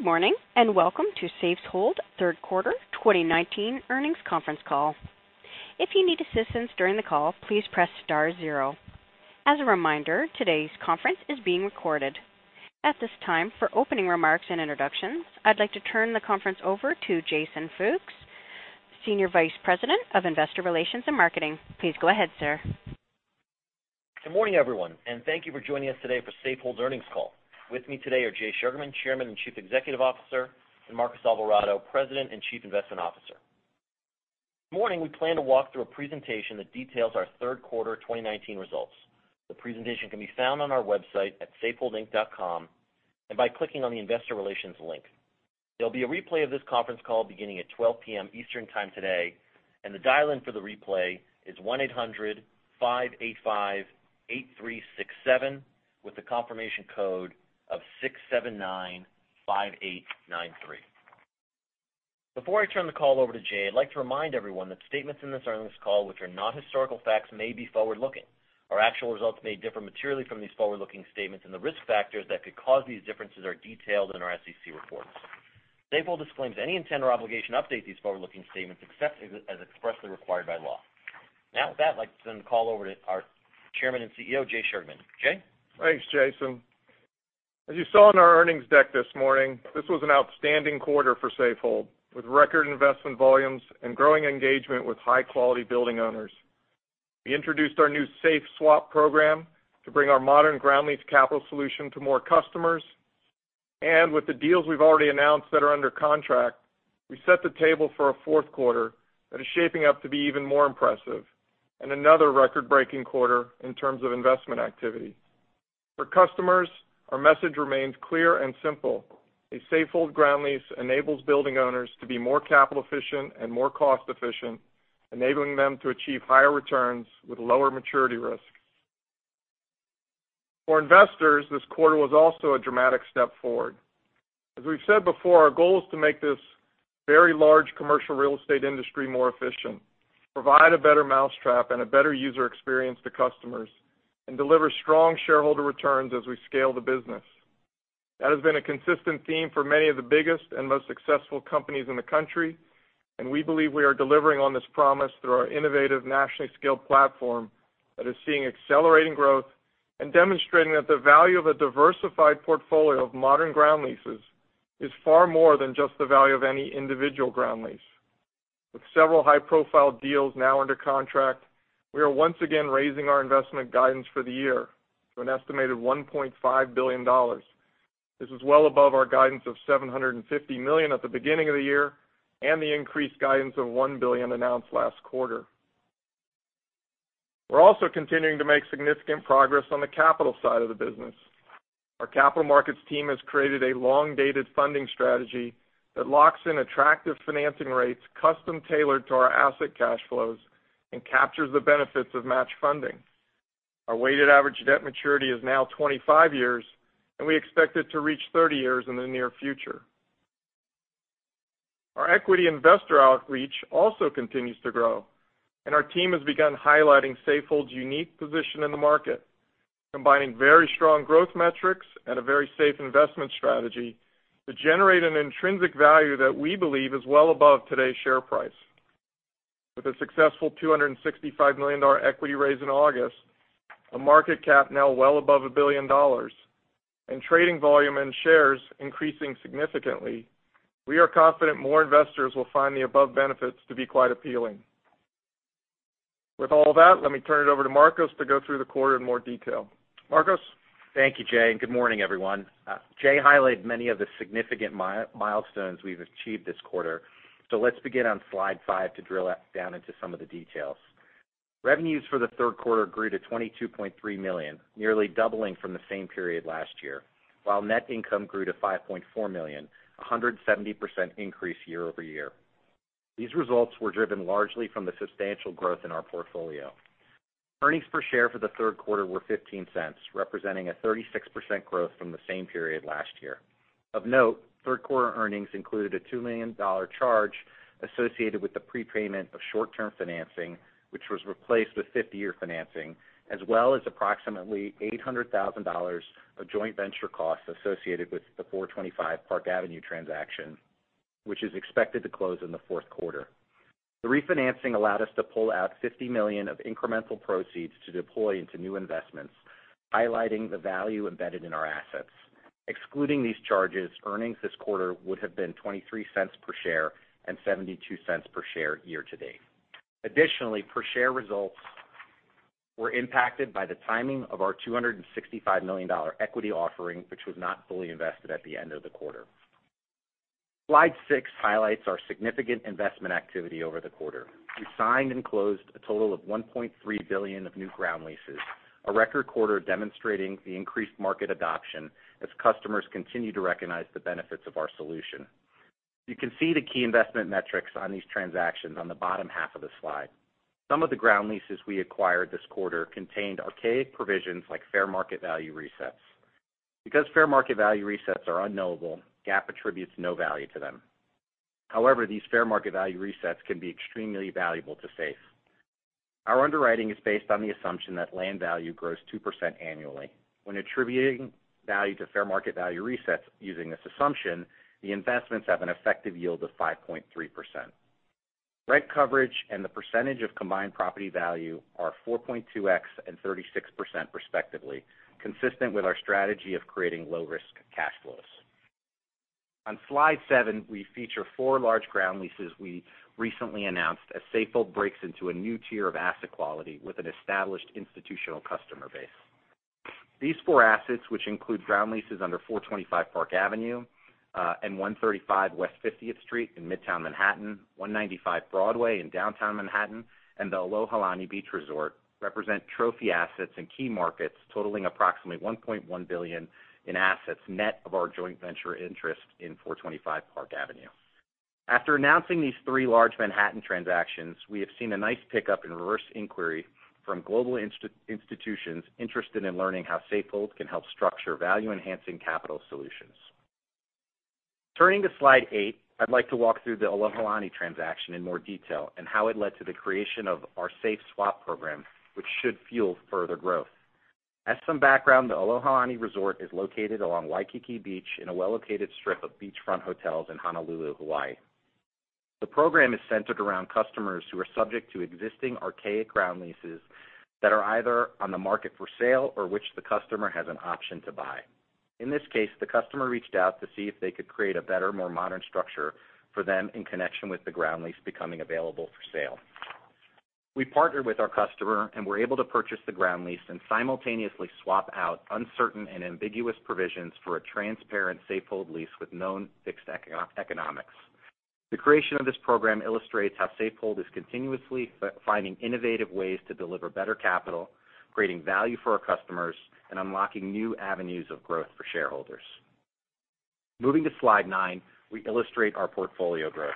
Good morning, and welcome to Safehold third quarter 2019 earnings conference call. If you need assistance during the call, please press star zero. As a reminder, today's conference is being recorded. At this time, for opening remarks and introductions, I'd like to turn the conference over to Jason Fooks, Senior Vice President of Investor Relations and Marketing. Please go ahead, sir. Good morning, everyone, and thank you for joining us today for Safehold's earnings call. With me today are Jay Sugarman, Chairman and Chief Executive Officer, and Marcos Alvarado, President and Chief Investment Officer. This morning, we plan to walk through a presentation that details our third quarter 2019 results. The presentation can be found on our website at safeholdinc.com and by clicking on the Investor Relations link. There'll be a replay of this conference call beginning at 12:00 P.M. Eastern time today, and the dial-in for the replay is 1-800-585-8367 with a confirmation code of 6795893. Before I turn the call over to Jay, I'd like to remind everyone that statements in this earnings call which are not historical facts may be forward-looking. Our actual results may differ materially from these forward-looking statements, and the risk factors that could cause these differences are detailed in our SEC reports. Safehold disclaims any intent or obligation to update these forward-looking statements except as expressly required by law. With that, I'd like to turn the call over to our Chairman and CEO, Jay Sugarman. Jay? Thanks, Jason. As you saw in our earnings deck this morning, this was an outstanding quarter for Safehold, with record investment volumes and growing engagement with high-quality building owners. We introduced our new SAFE x SWAP program to bring our modern ground lease capital solution to more customers. With the deals we've already announced that are under contract, we set the table for a fourth quarter that is shaping up to be even more impressive and another record-breaking quarter in terms of investment activity. For customers, our message remains clear and simple. A Safehold ground lease enables building owners to be more capital efficient and more cost efficient, enabling them to achieve higher returns with lower maturity risk. For investors, this quarter was also a dramatic step forward. As we've said before, our goal is to make this very large commercial real estate industry more efficient, provide a better mousetrap and a better user experience to customers, and deliver strong shareholder returns as we scale the business. That has been a consistent theme for many of the biggest and most successful companies in the country, and we believe we are delivering on this promise through our innovative, nationally scaled platform that is seeing accelerating growth and demonstrating that the value of a diversified portfolio of modern ground leases is far more than just the value of any individual ground lease. With several high-profile deals now under contract, we are once again raising our investment guidance for the year to an estimated $1.5 billion. This is well above our guidance of $750 million at the beginning of the year and the increased guidance of $1 billion announced last quarter. We're also continuing to make significant progress on the capital side of the business. Our capital markets team has created a long-dated funding strategy that locks in attractive financing rates custom-tailored to our asset cash flows and captures the benefits of matched funding. Our weighted average debt maturity is now 25 years, and we expect it to reach 30 years in the near future. Our equity investor outreach also continues to grow, and our team has begun highlighting Safehold's unique position in the market, combining very strong growth metrics and a very safe investment strategy to generate an intrinsic value that we believe is well above today's share price. With a successful $265 million equity raise in August, a market cap now well above $1 billion, and trading volume and shares increasing significantly, we are confident more investors will find the above benefits to be quite appealing. With all that, let me turn it over to Marcos to go through the quarter in more detail. Marcos? Thank you, Jay. Good morning, everyone. Jay highlighted many of the significant milestones we've achieved this quarter. Let's begin on slide five to drill down into some of the details. Revenues for the third quarter grew to $22.3 million, nearly doubling from the same period last year, while net income grew to $5.4 million, a 170% increase year-over-year. These results were driven largely from the substantial growth in our portfolio. Earnings per share for the third quarter were $0.15, representing a 36% growth from the same period last year. Of note, third quarter earnings included a $2 million charge associated with the prepayment of short-term financing, which was replaced with 50-year financing, as well as approximately $800,000 of joint venture costs associated with the 425 Park Avenue transaction, which is expected to close in the fourth quarter. The refinancing allowed us to pull out $50 million of incremental proceeds to deploy into new investments, highlighting the value embedded in our assets. Excluding these charges, earnings this quarter would have been $0.23 per share and $0.72 per share year-to-date. Additionally, per share results were impacted by the timing of our $265 million equity offering, which was not fully invested at the end of the quarter. Slide six highlights our significant investment activity over the quarter. We signed and closed a total of $1.3 billion of new ground leases, a record quarter demonstrating the increased market adoption as customers continue to recognize the benefits of our solution. You can see the key investment metrics on these transactions on the bottom half of the slide. Some of the ground leases we acquired this quarter contained archaic provisions like fair market value resets. Because fair market value resets are unknowable, GAAP attributes no value to them. However, these fair market value resets can be extremely valuable to SAFE. Our underwriting is based on the assumption that land value grows 2% annually. When attributing value to fair market value resets using this assumption, the investments have an effective yield of 5.3%. Rent coverage and the percentage of combined property value are 4.2x and 36% respectively, consistent with our strategy of creating low risk cash flows. On slide seven, we feature four large ground leases we recently announced as Safehold breaks into a new tier of asset quality with an established institutional customer base. These four assets, which include ground leases under 425 Park Avenue, and 135 West 50th Street in Midtown Manhattan, 195 Broadway in Downtown Manhattan, and the ʻAlohilani Beach Resort, represent trophy assets in key markets totaling approximately $1.1 billion in assets net of our joint venture interest in 425 Park Avenue. After announcing these three large Manhattan transactions, we have seen a nice pickup in reverse inquiry from global institutions interested in learning how Safehold can help structure value-enhancing capital solutions. Turning to slide eight, I'd like to walk through the ʻAlohilani transaction in more detail and how it led to the creation of our SAFE x SWAP program, which should fuel further growth. As some background, the ʻAlohilani Resort is located along Waikīkī Beach in a well-located strip of beachfront hotels in Honolulu, Hawaiʻi. The program is centered around customers who are subject to existing archaic ground leases that are either on the market for sale or which the customer has an option to buy. In this case, the customer reached out to see if they could create a better, more modern structure for them in connection with the ground lease becoming available for sale. We partnered with our customer and were able to purchase the ground lease and simultaneously swap out uncertain and ambiguous provisions for a transparent Safehold lease with known fixed economics. The creation of this program illustrates how Safehold is continuously finding innovative ways to deliver better capital, creating value for our customers, and unlocking new avenues of growth for shareholders. Moving to slide nine, we illustrate our portfolio growth.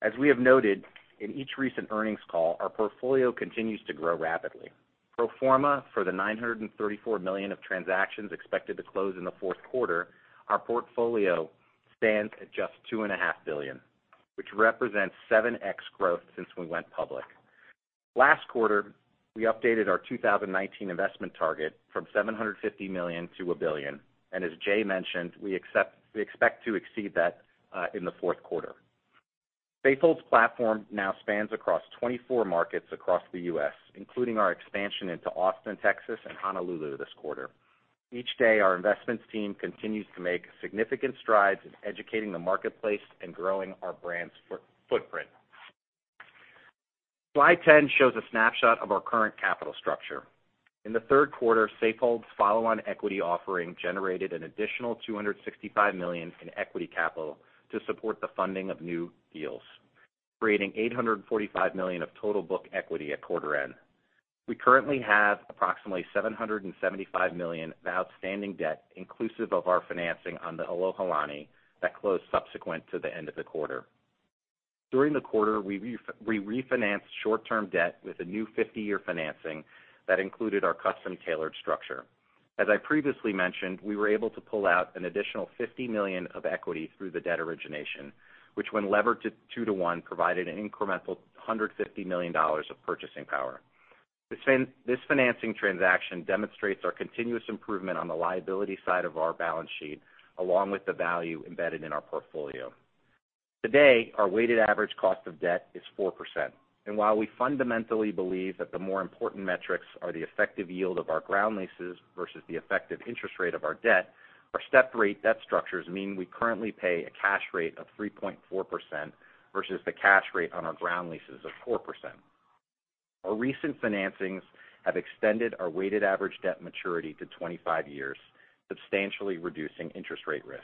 As we have noted in each recent earnings call, our portfolio continues to grow rapidly. Pro forma for the $934 million of transactions expected to close in the fourth quarter, our portfolio stands at just $2.5 billion, which represents 7x growth since we went public. Last quarter, we updated our 2019 investment target from $750 million to $1 billion. As Jay mentioned, we expect to exceed that in the fourth quarter. Safehold's platform now spans across 24 markets across the U.S., including our expansion into Austin, Texas, and Honolulu this quarter. Each day, our investments team continues to make significant strides in educating the marketplace and growing our brand's footprint. Slide 10 shows a snapshot of our current capital structure. In the third quarter, Safehold's follow-on equity offering generated an additional $265 million in equity capital to support the funding of new deals, creating $845 million of total book equity at quarter end. We currently have approximately $775 million of outstanding debt inclusive of our financing on the ʻAlohilani that closed subsequent to the end of the quarter. During the quarter, we refinanced short-term debt with a new 50-year financing that included our custom-tailored structure. As I previously mentioned, we were able to pull out an additional $50 million of equity through the debt origination, which when levered to 2 to 1, provided an incremental $150 million of purchasing power. This financing transaction demonstrates our continuous improvement on the liability side of our balance sheet, along with the value embedded in our portfolio. Today, our weighted average cost of debt is 4%. While we fundamentally believe that the more important metrics are the effective yield of our ground leases versus the effective interest rate of our debt, our step-rate debt structures mean we currently pay a cash rate of 3.4% versus the cash rate on our ground leases of 4%. Our recent financings have extended our weighted average debt maturity to 25 years, substantially reducing interest rate risk.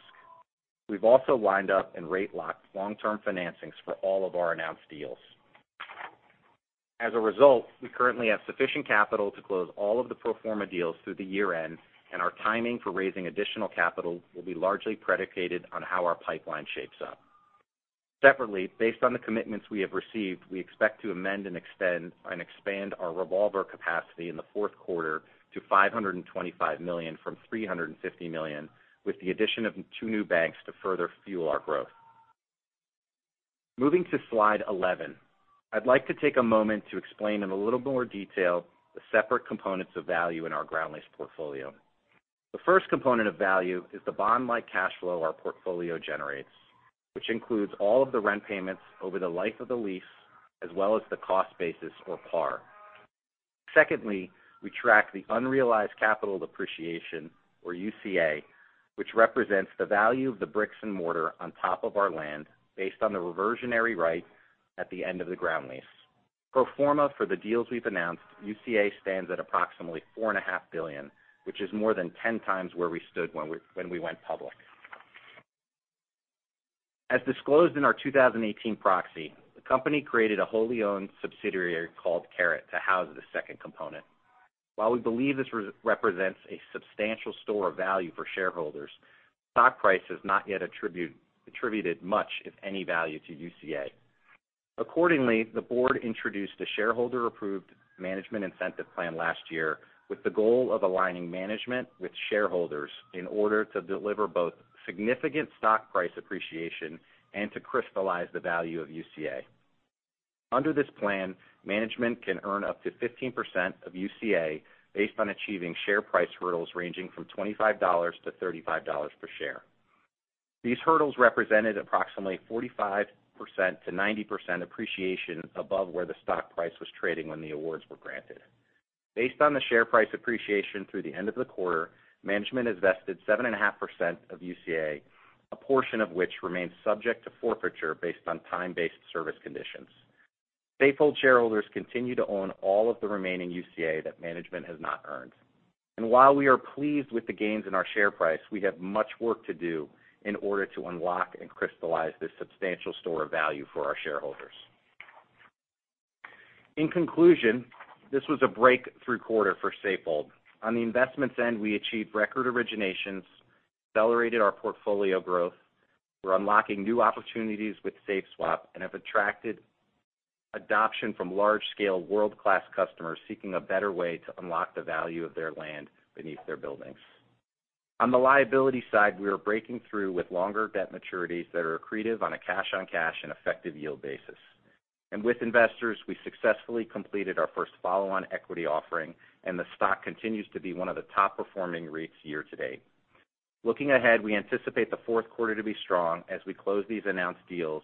We've also lined up and rate locked long-term financings for all of our announced deals. As a result, we currently have sufficient capital to close all of the pro forma deals through the year end, and our timing for raising additional capital will be largely predicated on how our pipeline shapes up. Separately, based on the commitments we have received, we expect to amend and expand our revolver capacity in the fourth quarter to $525 million from $350 million, with the addition of two new banks to further fuel our growth. Moving to slide 11. I'd like to take a moment to explain in a little more detail the separate components of value in our ground lease portfolio. The first component of value is the bond-like cash flow our portfolio generates, which includes all of the rent payments over the life of the lease, as well as the cost basis or par. Secondly, we track the unrealized capital appreciation or UCA, which represents the value of the bricks and mortar on top of our land based on the reversionary right at the end of the ground lease. Pro forma for the deals we've announced, UCA stands at approximately $4.5 billion, which is more than 10 times where we stood when we went public. As disclosed in our 2018 proxy, the company created a wholly owned subsidiary called CARET to house the second component. While we believe this represents a substantial store of value for shareholders, stock price has not yet attributed much, if any, value to UCA. Accordingly, the board introduced a shareholder-approved management incentive plan last year with the goal of aligning management with shareholders in order to deliver both significant stock price appreciation and to crystallize the value of UCA. Under this plan, management can earn up to 15% of UCA based on achieving share price hurdles ranging from $25-$35 per share. These hurdles represented approximately 45%-90% appreciation above where the stock price was trading when the awards were granted. Based on the share price appreciation through the end of the quarter, management has vested 7.5% of UCA, a portion of which remains subject to forfeiture based on time-based service conditions. Safehold shareholders continue to own all of the remaining UCA that management has not earned. While we are pleased with the gains in our share price, we have much work to do in order to unlock and crystallize this substantial store of value for our shareholders. In conclusion, this was a breakthrough quarter for Safehold. On the investments end, we achieved record originations, accelerated our portfolio growth. We're unlocking new opportunities with SAFE SWAP and have attracted adoption from large-scale, world-class customers seeking a better way to unlock the value of their land beneath their buildings. On the liability side, we are breaking through with longer debt maturities that are accretive on a cash-on-cash and effective yield basis. With investors, we successfully completed our first follow-on equity offering, and the stock continues to be one of the top-performing REITs year to date. Looking ahead, we anticipate the fourth quarter to be strong as we close these announced deals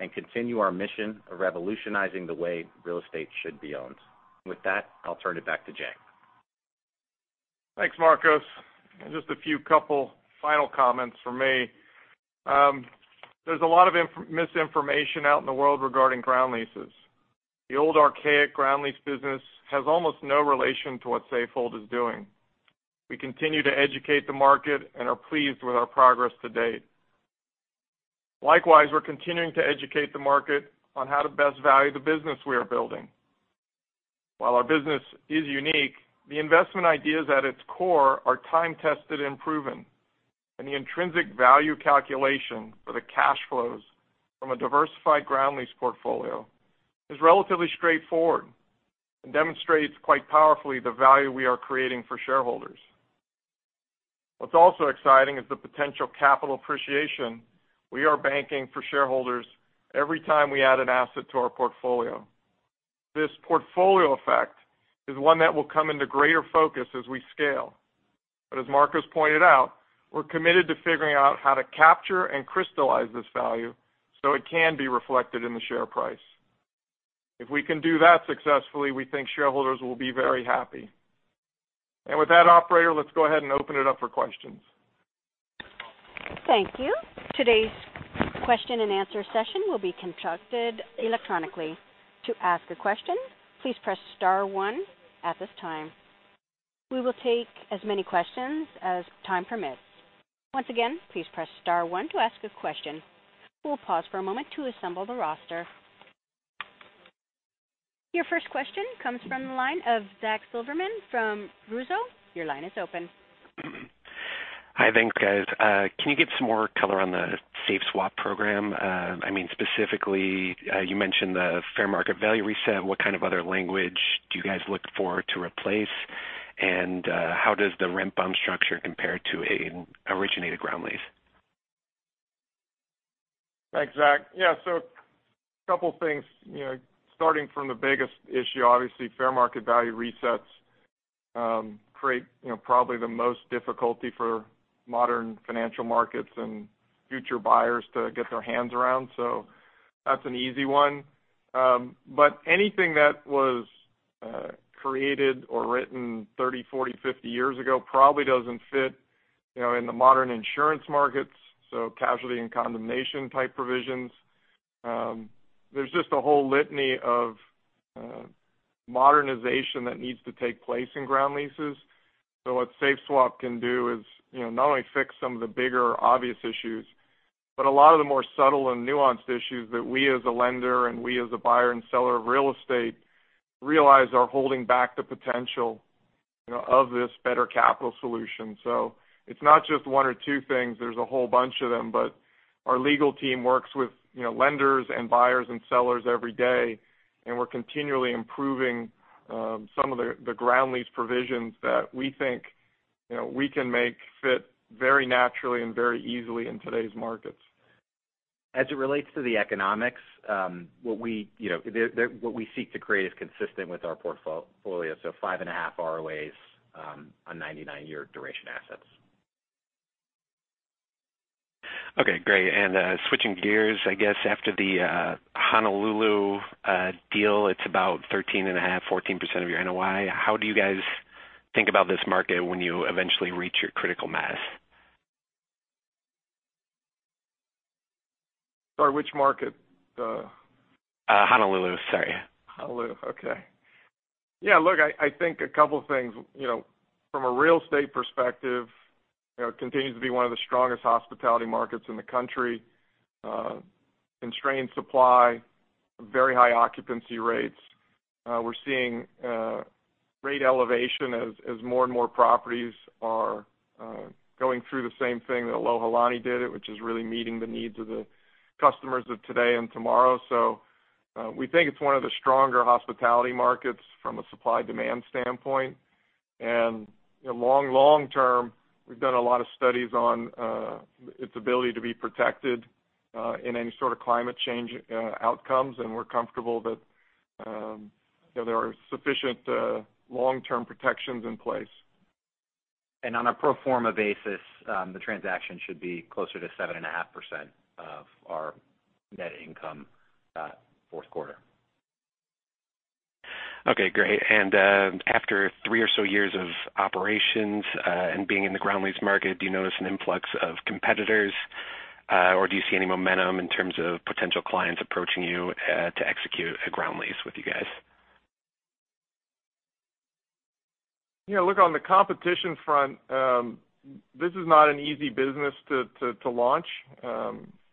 and continue our mission of revolutionizing the way real estate should be owned. With that, I'll turn it back to Jay. Thanks, Marcos. Just a few couple final comments from me. There's a lot of misinformation out in the world regarding ground leases. The old archaic ground lease business has almost no relation to what Safehold is doing. We continue to educate the market and are pleased with our progress to date. Likewise, we're continuing to educate the market on how to best value the business we are building. While our business is unique, the investment ideas at its core are time-tested and proven, and the intrinsic value calculation for the cash flows from a diversified ground lease portfolio is relatively straightforward and demonstrates quite powerfully the value we are creating for shareholders. What's also exciting is the potential capital appreciation we are banking for shareholders every time we add an asset to our portfolio. This portfolio effect is one that will come into greater focus as we scale. As Marcos pointed out, we're committed to figuring out how to capture and crystallize this value so it can be reflected in the share price. If we can do that successfully, we think shareholders will be very happy. With that, operator, let's go ahead and open it up for questions. Thank you. Today's question and answer session will be conducted electronically. To ask a question, please press star one at this time. We will take as many questions as time permits. Once again, please press star one to ask a question. We will pause for a moment to assemble the roster. Your first question comes from the line of Zach Silverberg from Mizuho. Your line is open. Hi. Thanks, guys. Can you give some more color on the SAFE x SWAP program? Specifically, you mentioned the fair market value reset. What kind of other language do you guys look for to replace? How does the rent bump structure compare to an originated ground lease? Thanks, Zach. A couple of things. Starting from the biggest issue, obviously, fair market value resets create probably the most difficulty for modern financial markets and future buyers to get their hands around. That's an easy one. Anything that was created or written 30, 40, 50 years ago probably doesn't fit in the modern insurance markets, so casualty and condemnation-type provisions. There's just a whole litany of modernization that needs to take place in ground leases. What SAFE x SWAP can do is not only fix some of the bigger obvious issues, but a lot of the more subtle and nuanced issues that we, as a lender, and we as a buyer and seller of real estate, realize are holding back the potential of this better capital solution. It's not just one or two things. There's a whole bunch of them. Our legal team works with lenders and buyers and sellers every day, and we're continually improving some of the ground lease provisions that we think we can make fit very naturally and very easily in today's markets. As it relates to the economics, what we seek to create is consistent with our portfolio, so five and a half ROAs on 99-year duration assets. Okay, great. Switching gears, I guess, after the Honolulu deal, it's about 13.5%, 14% of your NOI. How do you guys think about this market when you eventually reach your critical mass? Sorry, which market? Honolulu. Sorry. Honolulu. Okay. Yeah, look, I think a couple things. From a real estate perspective, it continues to be one of the strongest hospitality markets in the country, constrained supply, very high occupancy rates. We're seeing rate elevation as more and more properties are going through the same thing that Alohilani did, which is really meeting the needs of the customers of today and tomorrow. We think it's one of the stronger hospitality markets from a supply-demand standpoint. Long, long term, we've done a lot of studies on its ability to be protected in any sort of climate change outcomes, and we're comfortable that there are sufficient long-term protections in place. On a pro forma basis, the transaction should be closer to 7.5% of our net income fourth quarter. Okay, great. After three or so years of operations, and being in the ground lease market, do you notice an influx of competitors? Do you see any momentum in terms of potential clients approaching you to execute a ground lease with you guys? On the competition front, this is not an easy business to launch.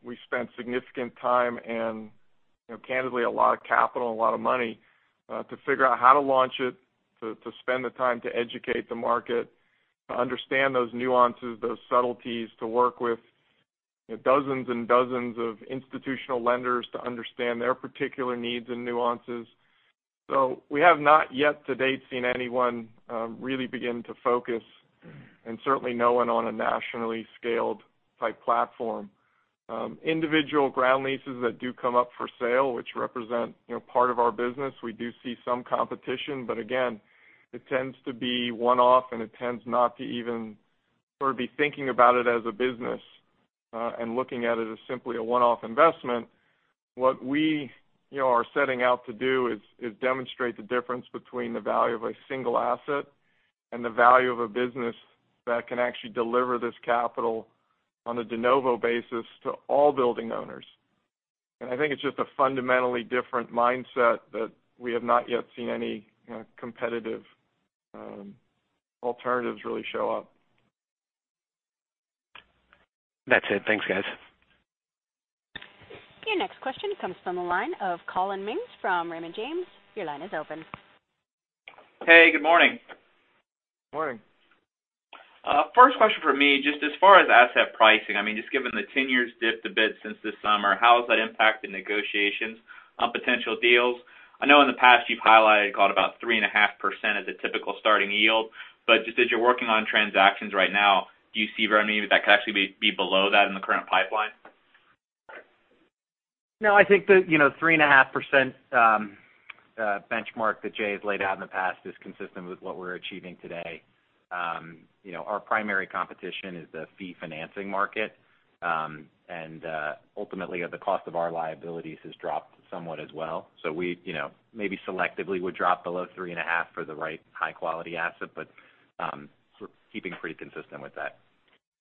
We spent significant time and, candidly, a lot of capital and a lot of money to figure out how to launch it, to spend the time to educate the market, to understand those nuances, those subtleties, to work with dozens and dozens of institutional lenders to understand their particular needs and nuances. We have not yet to date seen anyone really begin to focus, and certainly no one on a nationally scaled-type platform. Individual ground leases that do come up for sale, which represent part of our business, we do see some competition, but again, it tends to be one-off, and it tends not to even sort of be thinking about it as a business, and looking at it as simply a one-off investment. What we are setting out to do is demonstrate the difference between the value of a single asset and the value of a business that can actually deliver this capital on a de novo basis to all building owners. I think it's just a fundamentally different mindset that we have not yet seen any competitive alternatives really show up. That's it. Thanks, guys. Your next question comes from the line of Colin Mings from Raymond James. Your line is open. Hey, good morning. Morning. First question from me. Just as far as asset pricing, just given the 10-year dipped a bit since this summer, how has that impacted negotiations on potential deals? I know in the past you've highlighted about 3.5% as a typical starting yield. Just as you're working on transactions right now, do you see very many that could actually be below that in the current pipeline? No, I think the 3.5% benchmark that Jay has laid out in the past is consistent with what we're achieving today. Our primary competition is the fee financing market. Ultimately, the cost of our liabilities has dropped somewhat as well. We, maybe selectively, would drop below 3.5% for the right high-quality asset, but we're keeping pretty consistent with that.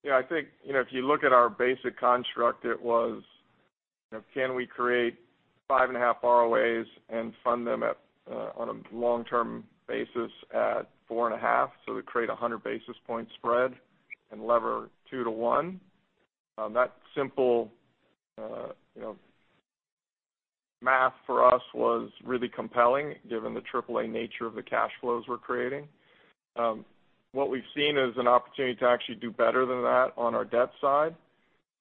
Yeah, I think, if you look at our basic construct, it was, can we create 5.5 ROAs and fund them on a long-term basis at 4.5, so we create a 100-basis-point spread and lever 2 to 1? That simple math for us was really compelling given the AAA nature of the cash flows we're creating. What we've seen is an opportunity to actually do better than that on our debt side,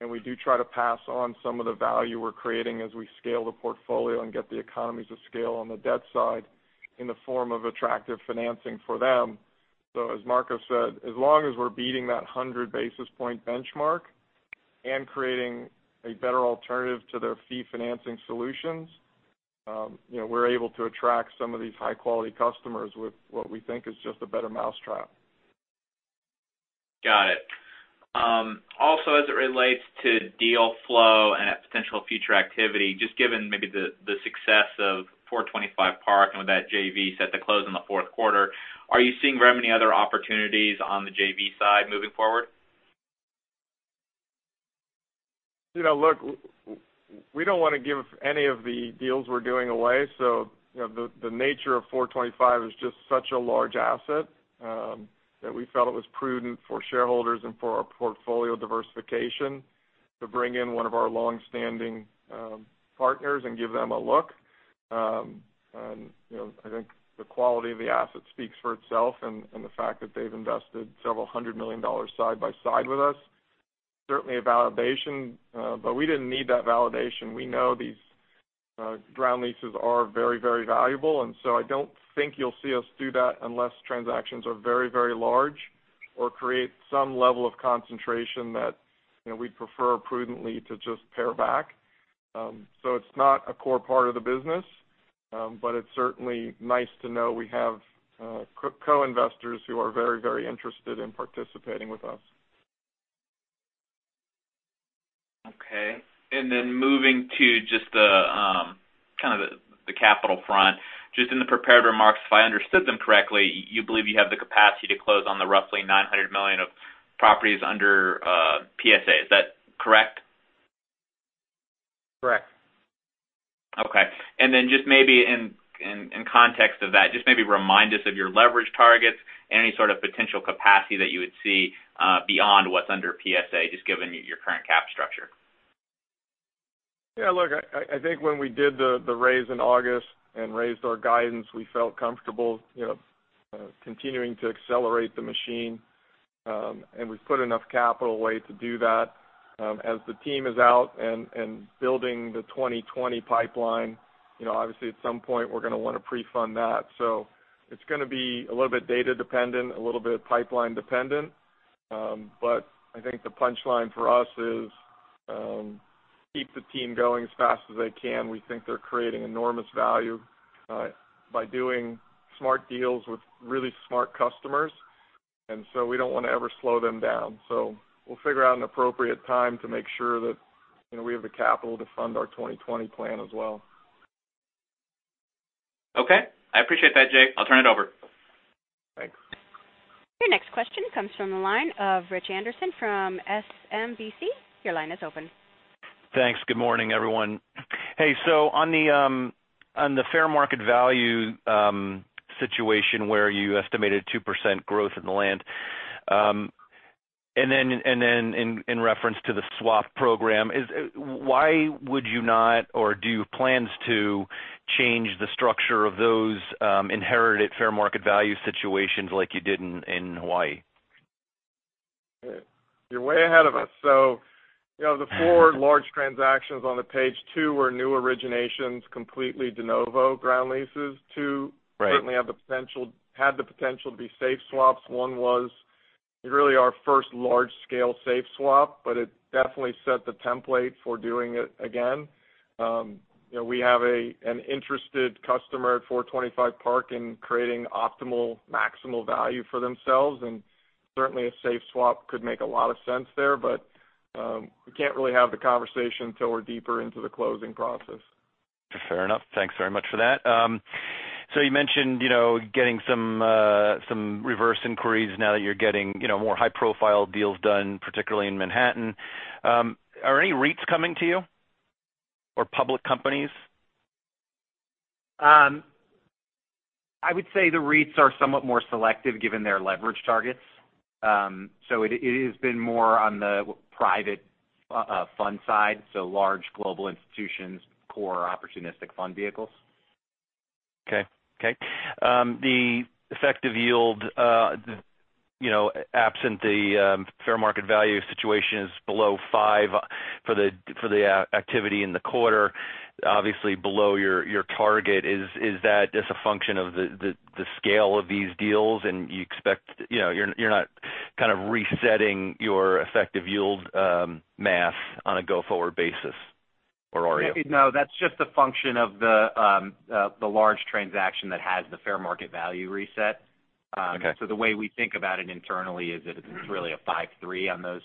and we do try to pass on some of the value we're creating as we scale the portfolio and get the economies of scale on the debt side in the form of attractive financing for them. As Marcos said, as long as we're beating that 100-basis-point benchmark and creating a better alternative to their fee financing solutions, we're able to attract some of these high-quality customers with what we think is just a better mousetrap. Got it. Also, as it relates to deal flow and potential future activity, just given maybe the success of 425 Park and with that JV set to close in the fourth quarter, are you seeing very many other opportunities on the JV side moving forward? Look, we don't want to give any of the deals we're doing away. The nature of 425 is just such a large asset, that we felt it was prudent for shareholders and for our portfolio diversification to bring in one of our longstanding partners and give them a look. I think the quality of the asset speaks for itself, and the fact that they've invested several hundred million dollars side by side with us, certainly a validation. We didn't need that validation. We know these ground leases are very valuable, I don't think you'll see us do that unless transactions are very large or create some level of concentration that we'd prefer prudently to just pare back. It's not a core part of the business. It's certainly nice to know we have co-investors who are very interested in participating with us. Okay. Moving to just the capital front. Just in the prepared remarks, if I understood them correctly, you believe you have the capacity to close on the roughly $900 million of properties under PSA. Is that correct? Correct. Okay. Then just maybe in context of that, just maybe remind us of your leverage targets and any sort of potential capacity that you would see beyond what's under PSA, just given your current cap structure. Yeah, look, I think when we did the raise in August and raised our guidance, we felt comfortable continuing to accelerate the machine. We've put enough capital away to do that. As the team is out and building the 2020 pipeline, obviously at some point we're going to want to pre-fund that. It's going to be a little bit data dependent, a little bit pipeline dependent. I think the punchline for us is, keep the team going as fast as they can. We think they're creating enormous value by doing smart deals with really smart customers. We don't want to ever slow them down. We'll figure out an appropriate time to make sure that we have the capital to fund our 2020 plan as well. Okay. I appreciate that, Jay. I'll turn it over. Thanks. Your next question comes from the line of Rich Anderson from SMBC. Your line is open. Thanks. Good morning, everyone. Hey, on the fair market value situation where you estimated 2% growth in the land. In reference to the swap program, why would you not, or do you have plans to change the structure of those inherited fair market value situations like you did in Hawaii? You're way ahead of us. The four large transactions on the page two were new originations, completely de novo ground leases. Two- Right certainly had the potential to be SAFE x SWAPs. One was really our first large-scale SAFE x SWAP, but it definitely set the template for doing it again. We have an interested customer at 425 Park in creating optimal, maximal value for themselves, and certainly a SAFE x SWAP could make a lot of sense there. We can't really have the conversation until we're deeper into the closing process. Fair enough. Thanks very much for that. You mentioned getting some reverse inquiries now that you're getting more high-profile deals done, particularly in Manhattan. Are any REITs coming to you? Or public companies? I would say the REITs are somewhat more selective given their leverage targets. It has been more on the private fund side, so large global institutions, core opportunistic fund vehicles. Okay. The effective yield, absent the fair market value situation is below five for the activity in the quarter, obviously below your target. Is that just a function of the scale of these deals and you're not kind of resetting your effective yield math on a go-forward basis or are you? No, that's just a function of the large transaction that has the fair market value reset. Okay. The way we think about it internally is that it's really a 53 on those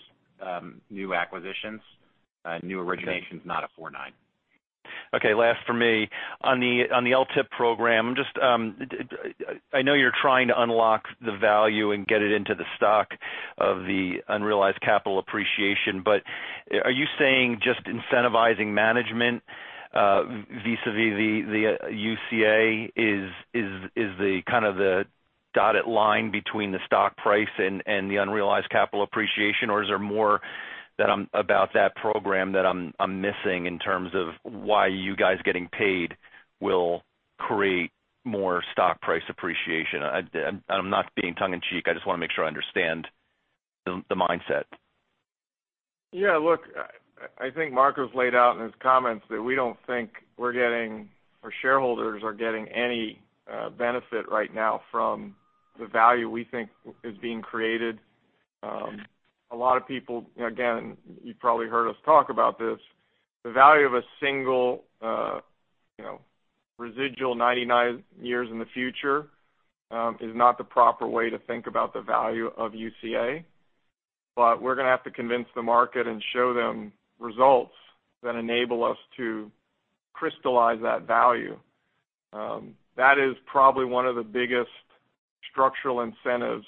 new acquisitions, new originations, not a 49. Okay. Last for me. On the LTIP program, I know you're trying to unlock the value and get it into the stock of the unrealized capital appreciation, are you saying just incentivizing management vis-a-vis the UCA is the kind of the dotted line between the stock price and the unrealized capital appreciation? Is there more about that program that I'm missing in terms of why you guys getting paid will create more stock price appreciation? I'm not being tongue in cheek, I just want to make sure I understand the mindset. Look, I think Marcos laid out in his comments that we don't think our shareholders are getting any benefit right now from the value we think is being created. A lot of people, again, you probably heard us talk about this. The value of a single residual 99 years in the future, is not the proper way to think about the value of UCA. We're going to have to convince the market and show them results that enable us to crystallize that value. That is probably one of the biggest structural incentives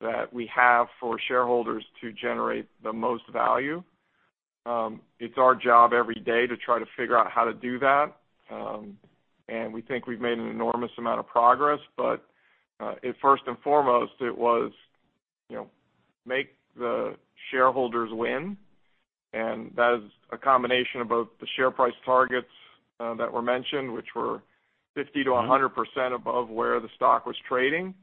that we have for shareholders to generate the most value. It's our job every day to try to figure out how to do that. We think we've made an enormous amount of progress, first and foremost, it was make the shareholders win. That is a combination of both the share price targets that were mentioned, which were 50%-100% above where the stock was trading.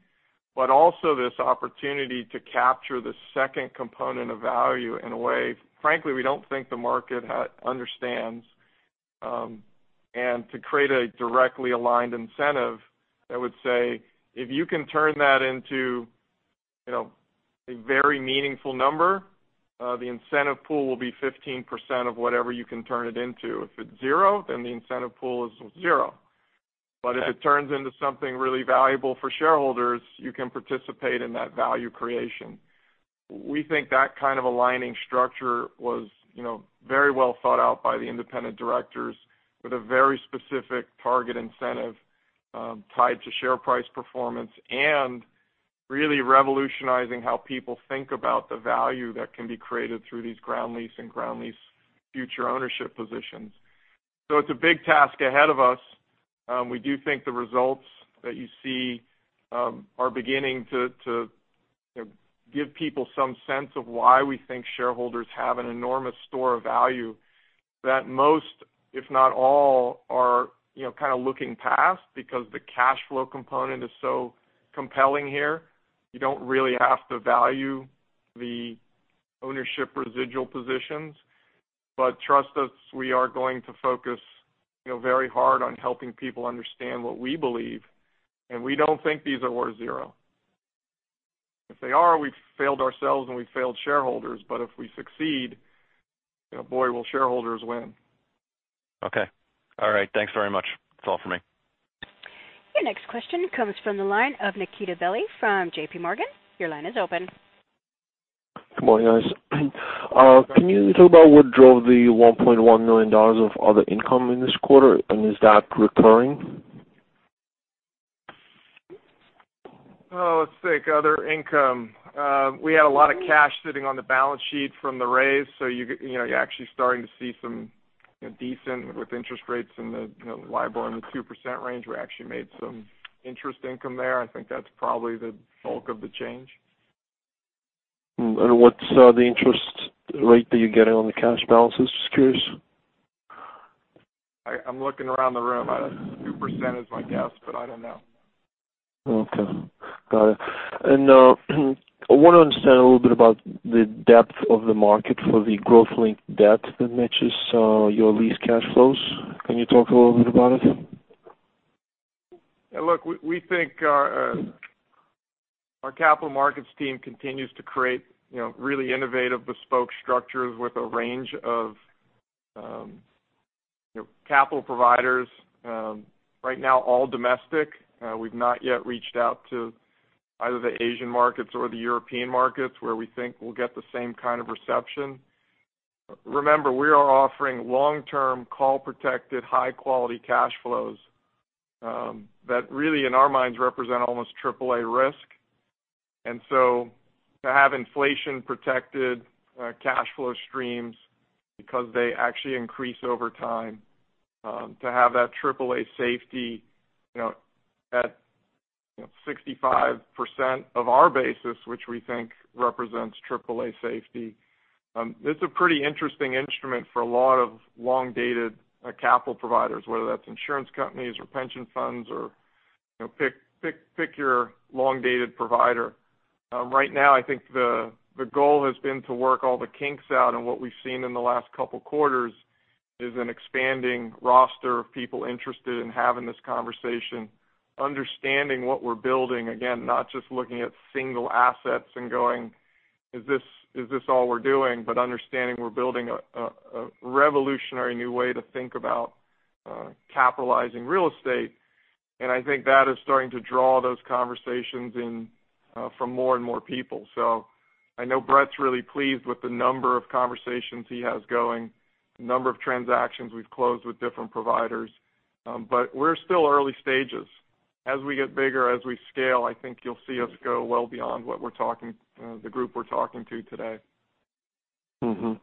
Also this opportunity to capture the second component of value in a way, frankly, we don't think the market understands. To create a directly aligned incentive that would say, if you can turn that into a very meaningful number, the incentive pool will be 15% of whatever you can turn it into. If it's zero, then the incentive pool is zero. If it turns into something really valuable for shareholders, you can participate in that value creation. We think that kind of aligning structure was very well thought out by the independent directors with a very specific target incentive tied to share price performance, and really revolutionizing how people think about the value that can be created through these ground lease and ground lease future ownership positions. It's a big task ahead of us. We do think the results that you see are beginning to give people some sense of why we think shareholders have an enormous store of value that most, if not all, are kind of looking past because the cash flow component is so compelling here. You don't really have to value the ownership residual positions. Trust us, we are going to focus very hard on helping people understand what we believe, and we don't think these are worth zero. If they are, we've failed ourselves and we've failed shareholders. If we succeed, boy, will shareholders win. Okay. All right. Thanks very much. That's all for me. Your next question comes from the line of Nikita Belyy from JPMorgan. Your line is open. Good morning, guys. Can you talk about what drove the $1.1 million of other income in this quarter, and is that recurring? Let's think. Other income. We had a lot of cash sitting on the balance sheet from the raise, so you're actually starting to see some decent with interest rates in the LIBOR in the 2% range. We actually made some interest income there. I think that's probably the bulk of the change. What's the interest rate that you're getting on the cash balances? Just curious. I'm looking around the room. 2% is my guess, but I don't know. Okay, got it. I want to understand a little bit about the depth of the market for the growth-linked debt that matches your lease cash flows. Can you talk a little bit about it? Look, we think our capital markets team continues to create really innovative bespoke structures with a range of capital providers. Right now, all domestic. We've not yet reached out to either the Asian markets or the European markets, where we think we'll get the same kind of reception. Remember, we are offering long-term, call protected, high-quality cash flows, that really, in our minds, represent almost AAA risk. To have inflation-protected cash flow streams, because they actually increase over time, to have that AAA safety at 65% of our basis, which we think represents AAA safety, this is a pretty interesting instrument for a lot of long-dated capital providers, whether that's insurance companies or pension funds or pick your long-dated provider. Right now, I think the goal has been to work all the kinks out, and what we've seen in the last couple of quarters is an expanding roster of people interested in having this conversation, understanding what we're building. Again, not just looking at single assets and going, "Is this all we're doing?" Understanding we're building a revolutionary new way to think about capitalizing real estate. I think that is starting to draw those conversations in from more and more people. I know Brett's really pleased with the number of conversations he has going, the number of transactions we've closed with different providers. We're still early stages. As we get bigger, as we scale, I think you'll see us go well beyond the group we're talking to today. On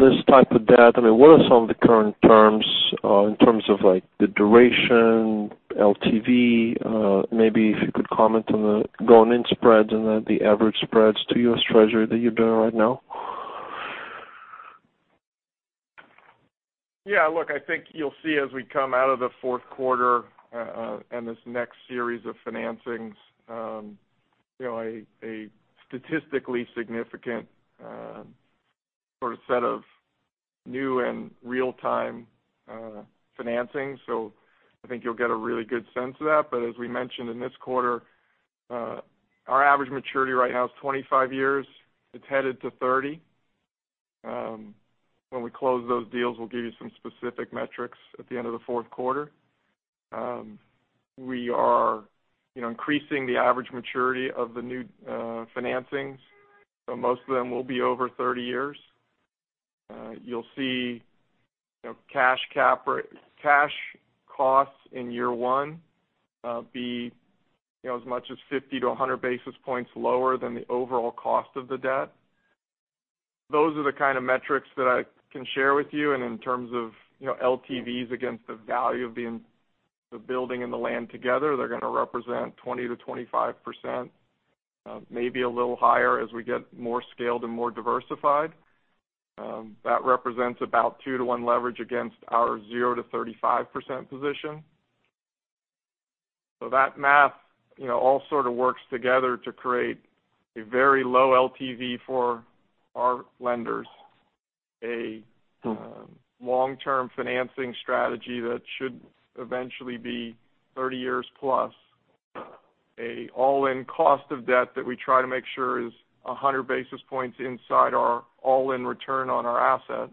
this type of debt, what are some of the current terms, in terms of the duration, LTV? Maybe if you could comment on the going-in spreads and the average spreads to US Treasury that you're doing right now. Yeah, look, I think you'll see as we come out of the fourth quarter, this next series of financings, a statistically significant sort of set of new and real-time financing. I think you'll get a really good sense of that. As we mentioned in this quarter, our average maturity right now is 25 years. It's headed to 30. When we close those deals, we'll give you some specific metrics at the end of the fourth quarter. We are increasing the average maturity of the new financings. Most of them will be over 30 years. You'll see cash costs in year one be as much as 50 to 100 basis points lower than the overall cost of the debt. Those are the kind of metrics that I can share with you. In terms of LTVs against the value of the building and the land together, they're going to represent 20%-25%, maybe a little higher as we get more scaled and more diversified. That represents about 2:1 leverage against our 0%-35% position. That math all sort of works together to create a very low LTV for our lenders. A long-term financing strategy that should eventually be 30 years plus. An all-in cost of debt that we try to make sure is 100 basis points inside our all-in return on our asset.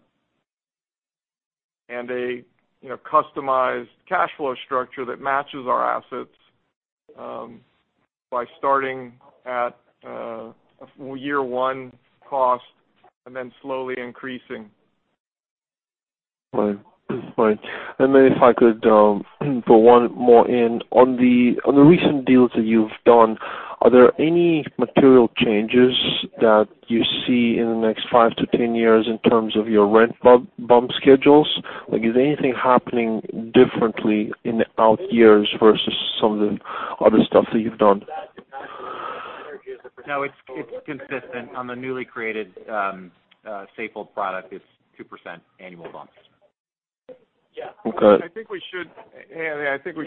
A customized cash flow structure that matches our assets, by starting at year one cost and then slowly increasing. Right. If I could put one more in. On the recent deals that you've done, are there any material changes that you see in the next five to 10 years in terms of your rent bump schedules? Is anything happening differently in the out years versus some of the other stuff that you've done? No, it's consistent on the newly created Safehold product. It's 2% annual bumps. Yeah. Okay. I think we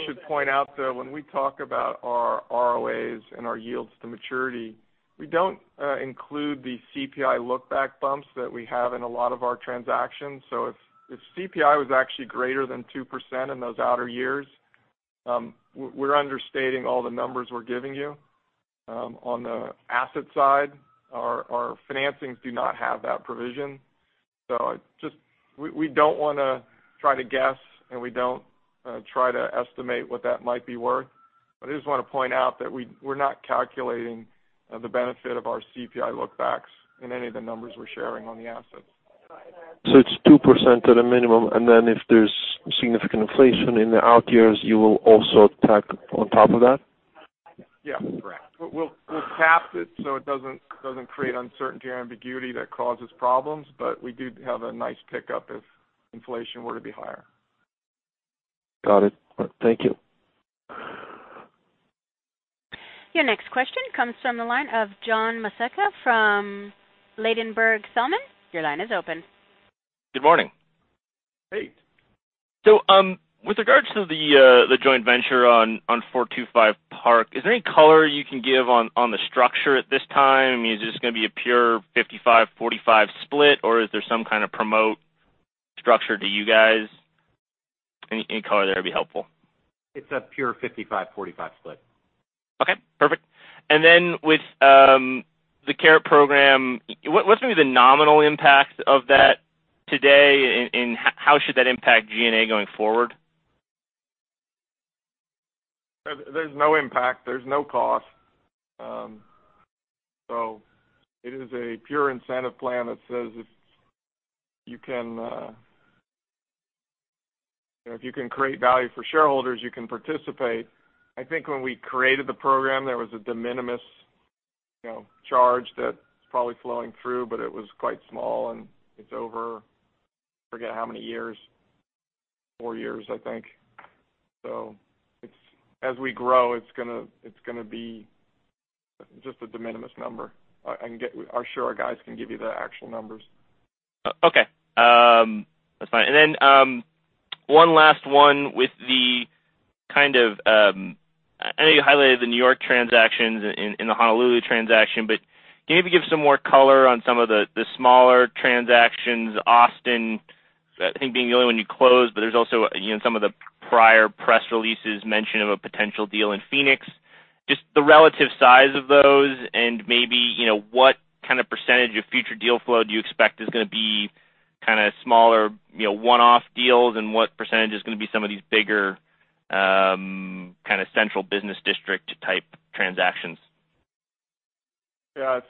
should point out, though, when we talk about our ROAs and our yields to maturity, we don't include the CPI look-back bumps that we have in a lot of our transactions. If CPI was actually greater than 2% in those outer years, we're understating all the numbers we're giving you. On the asset side, our financings do not have that provision. We don't want to try to guess, and we don't try to estimate what that might be worth. I just want to point out that we're not calculating the benefit of our CPI look-backs in any of the numbers we're sharing on the assets. It's 2% at a minimum, and then if there's significant inflation in the out years, you will also tack on top of that? Yeah. Correct. We'll cap it so it doesn't create uncertainty or ambiguity that causes problems. We do have a nice pickup if inflation were to be higher. Got it. Thank you. Your next question comes from the line of John Massocca from Ladenburg Thalmann. Your line is open. Good morning. Hey. With regards to the joint venture on 425 Park, is there any color you can give on the structure at this time? Is this going to be a pure 55/45 split, or is there some kind of promote structure to you guys? Any color there would be helpful. It's a pure 55/45 split. Okay, perfect. With the CARET program, what's maybe the nominal impact of that today, and how should that impact G&A going forward? There's no impact. There's no cost. It is a pure incentive plan that says if you can create value for shareholders, you can participate. I think when we created the program, there was a de minimis charge that's probably flowing through, but it was quite small, and it's over, forget how many years. Four years, I think. As we grow, it's going to be just a de minimis number. I'm sure our guys can give you the actual numbers. Okay. That's fine. Then one last one. I know you highlighted the New York transactions and the Honolulu transaction, but can you maybe give some more color on some of the smaller transactions, Austin, I think being the only one you closed, but there's also some of the prior press releases mention of a potential deal in Phoenix. Just the relative size of those and maybe what kind of percentage of future deal flow do you expect is going to be kind of smaller, one-off deals and what percentage is going to be some of these bigger kind of central business district-type transactions? Because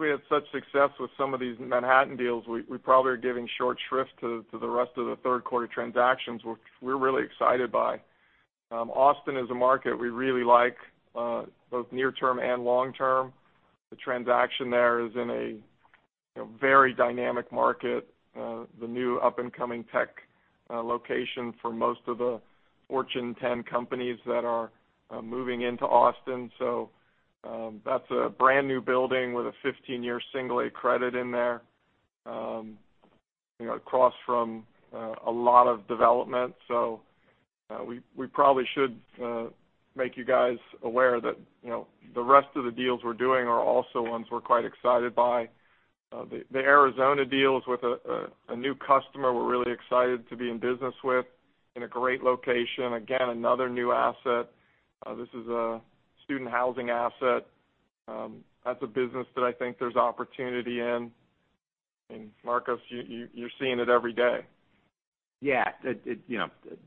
we had such success with some of these Manhattan deals, we probably are giving short shrift to the rest of the third quarter transactions, which we're really excited by. Austin is a market we really like both near term and long term. The transaction there is in a very dynamic market. The new up-and-coming tech location for most of the Fortune 10 companies that are moving into Austin. That's a brand-new building with a 15-year single A credit in there, across from a lot of development. We probably should make you guys aware that the rest of the deals we're doing are also ones we're quite excited by. The Arizona deal is with a new customer we're really excited to be in business with in a great location. Again, another new asset. This is a student housing asset. That's a business that I think there's opportunity in. Marcos, you're seeing it every day.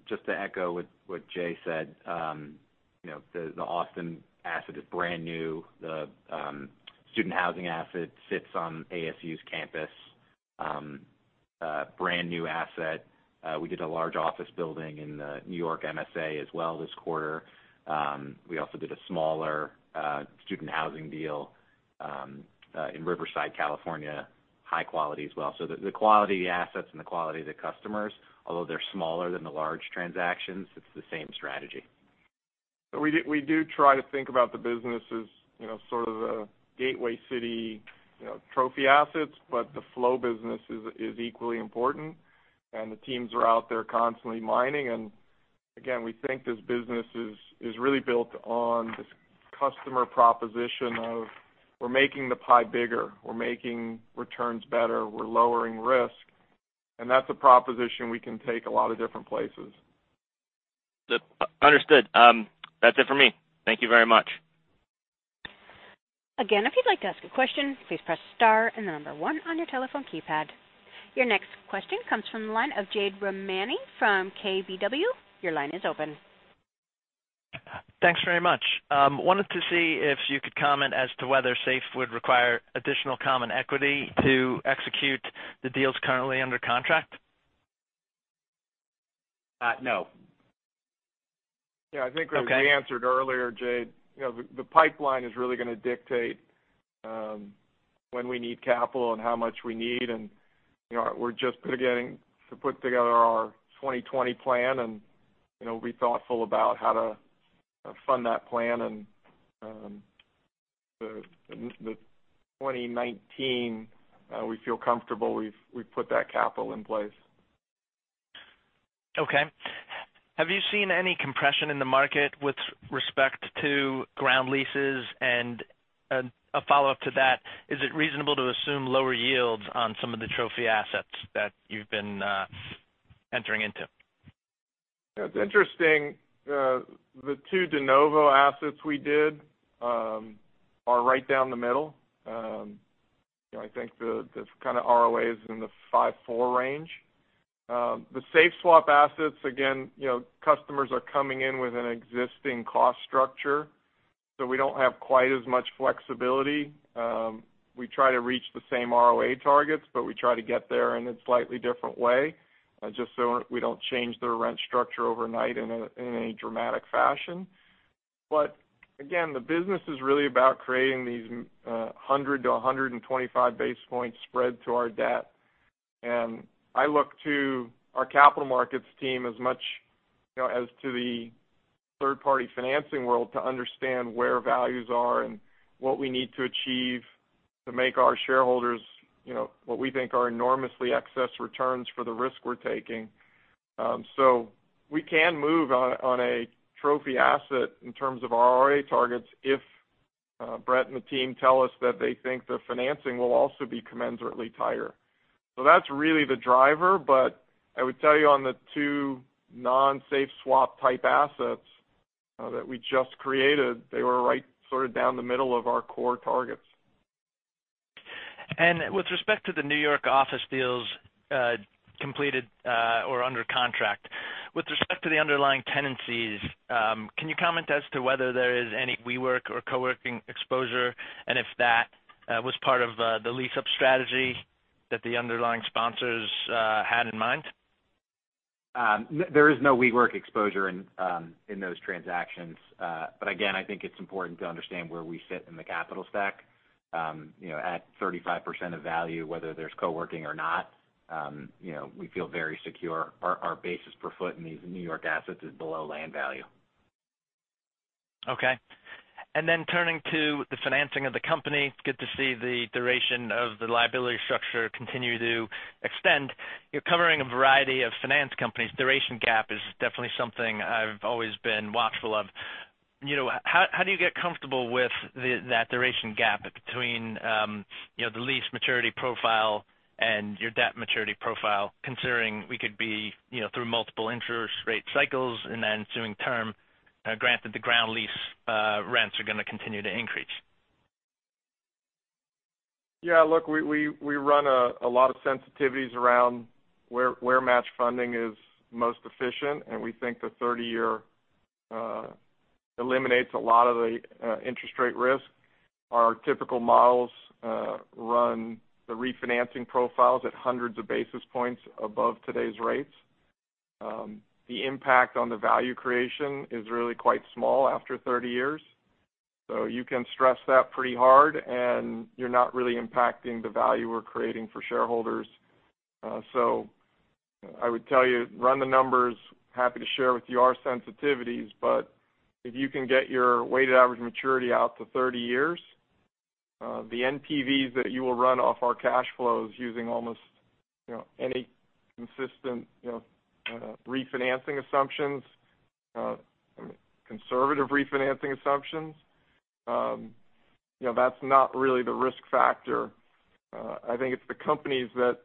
Just to echo what Jay said. The Austin asset is brand new. The student housing asset sits on ASU's campus. A brand new asset. We did a large office building in the New York MSA as well this quarter. We also did a smaller student housing deal in Riverside, California, high quality as well. The quality of the assets and the quality of the customers, although they're smaller than the large transactions, it's the same strategy. We do try to think about the business as sort of the gateway city trophy assets, but the flow business is equally important, and the teams are out there constantly mining. Again, we think this business is really built on this customer proposition of we're making the pie bigger. We're making returns better. We're lowering risk. That's a proposition we can take a lot of different places. Understood. That's it for me. Thank you very much. Again, if you'd like to ask a question, please press star and the number 1 on your telephone keypad. Your next question comes from the line of Jade Rahmani from KBW. Your line is open. Thanks very much. Wanted to see if you could comment as to whether Safehold would require additional common equity to execute the deals currently under contract. No. Yeah. I think that was answered earlier, Jade. The pipeline is really going to dictate when we need capital and how much we need, and we're just beginning to put together our 2020 plan and be thoughtful about how to fund that plan and the 2019, we feel comfortable we've put that capital in place. Okay. Have you seen any compression in the market with respect to ground leases? A follow-up to that, is it reasonable to assume lower yields on some of the trophy assets that you've been entering into? Yeah, it's interesting. The two de novo assets we did are right down the middle. I think the kind of ROA is in the 5.4 range. The SAFE x SWAP assets, again, customers are coming in with an existing cost structure, we don't have quite as much flexibility. We try to reach the same ROA targets, we try to get there in a slightly different way, just so we don't change their rent structure overnight in a dramatic fashion. Again, the business is really about creating these 100-125 base points spread to our debt. I look to our capital markets team as much as to the third-party financing world to understand where values are and what we need to achieve to make our shareholders, what we think are enormously excess returns for the risk we're taking. We can move on a trophy asset in terms of ROA targets if Brett and the team tell us that they think the financing will also be commensurately higher. That's really the driver. I would tell you on the two non-SAFE x SWAP type assets that we just created, they were right sort of down the middle of our core targets. With respect to the New York office deals, completed, or under contract, with respect to the underlying tenancies, can you comment as to whether there is any WeWork or co-working exposure, and if that, was part of the lease-up strategy that the underlying sponsors, had in mind? There is no WeWork exposure in those transactions. Again, I think it's important to understand where we sit in the capital stack. At 35% of value, whether there's co-working or not, we feel very secure. Our basis per foot in these New York assets is below land value. Okay. Turning to the financing of the company. Good to see the duration of the liability structure continue to extend. You're covering a variety of finance companies. Duration gap is definitely something I've always been watchful of. How do you get comfortable with that duration gap between the lease maturity profile and your debt maturity profile, considering we could be through multiple interest rate cycles in the ensuing term? Granted, the ground lease rents are gonna continue to increase. Yeah, look, we run a lot of sensitivities around where match funding is most efficient, and we think the 30-year eliminates a lot of the interest rate risk. Our typical models run the refinancing profiles at hundreds of basis points above today's rates. The impact on the value creation is really quite small after 30 years. You can stress that pretty hard, and you're not really impacting the value we're creating for shareholders. I would tell you, run the numbers. Happy to share with you our sensitivities, but if you can get your weighted average maturity out to 30 years, the NPVs that you will run off our cash flows using almost any consistent refinancing assumptions, conservative refinancing assumptions, that's not really the risk factor. I think it's the companies that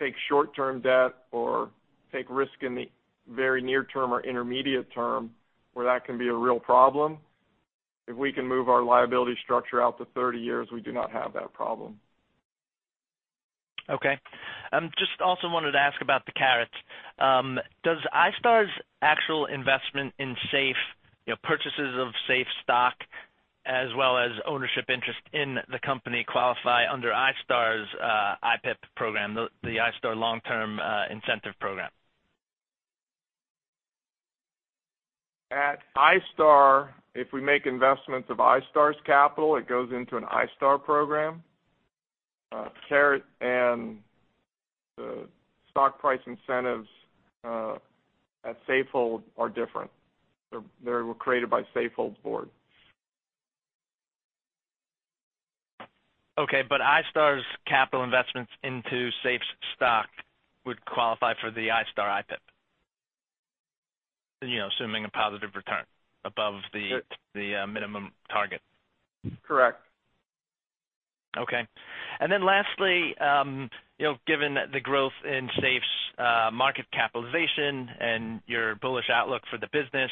take short-term debt or take risk in the very near term or intermediate term, where that can be a real problem. If we can move our liability structure out to 30 years, we do not have that problem. Okay. Just also wanted to ask about the CARETs. Does iStar's actual investment in Safehold, purchases of Safehold stock, as well as ownership interest in the company, qualify under iStar's iPIP program, the iStar long-term incentive program? At iStar, if we make investments of iStar's capital, it goes into an iStar program. CARET and the stock price incentives at Safehold are different. They were created by Safehold's board. Okay. iStar's capital investments into Safehold's stock would qualify for the iStar iPIP. Assuming a positive return above the. Yes the minimum target. Correct. Lastly, given the growth in Safehold's market capitalization and your bullish outlook for the business,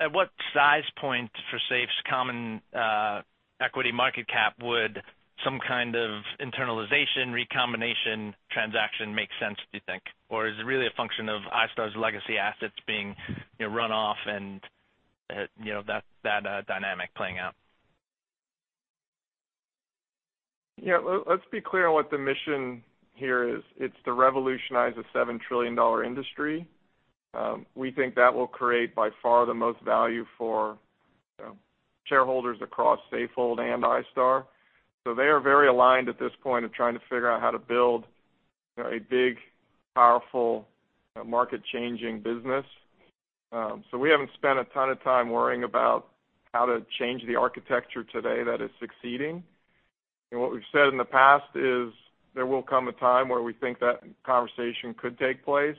at what size point for Safehold's common equity market cap would some kind of internalization recombination transaction make sense, do you think? Or is it really a function of iStar's legacy assets being run off and that dynamic playing out? Yeah. Let's be clear on what the mission here is. It's to revolutionize a $7 trillion industry. We think that will create by far the most value for shareholders across Safehold and iStar. They are very aligned at this point of trying to figure out how to build a big, powerful, market-changing business. We haven't spent a ton of time worrying about how to change the architecture today that is succeeding. What we've said in the past is there will come a time where we think that conversation could take place.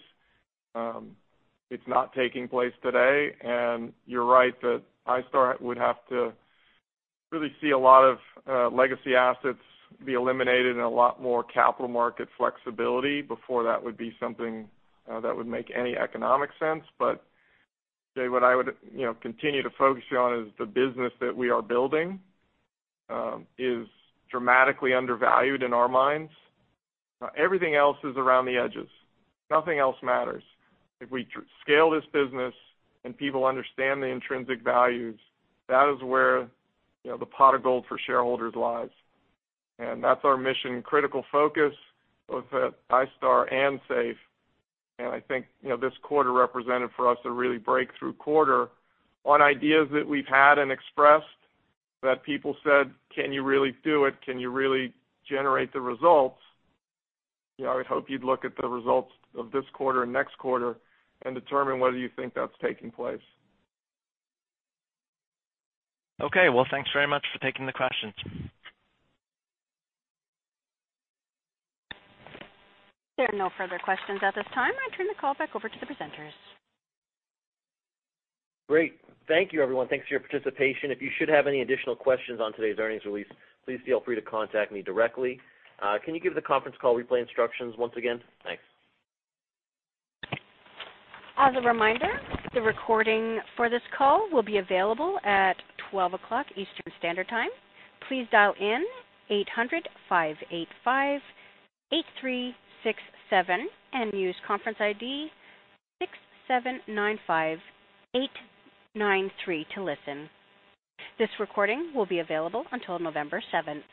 It's not taking place today, and you're right that iStar would have to really see a lot of legacy assets be eliminated and a lot more capital market flexibility before that would be something that would make any economic sense. Jay, what I would continue to focus you on is the business that we are building is dramatically undervalued in our minds. Everything else is around the edges. Nothing else matters. If we scale this business and people understand the intrinsic values, that is where the pot of gold for shareholders lies. That's our mission critical focus, both at iStar and Safe. I think this quarter represented for us a really breakthrough quarter on ideas that we've had and expressed that people said, "Can you really do it? Can you really generate the results." I would hope you'd look at the results of this quarter and next quarter and determine whether you think that's taking place. Okay. Well, thanks very much for taking the questions. There are no further questions at this time. I turn the call back over to the presenters. Great. Thank you everyone. Thanks for your participation. If you should have any additional questions on today's earnings release, please feel free to contact me directly. Can you give the conference call replay instructions once again? Thanks. As a reminder, the recording for this call will be available at 12:00 P.M. Eastern Standard Time. Please dial in 800-585-8367 and use conference ID 6,795,893 to listen. This recording will be available until November 7th.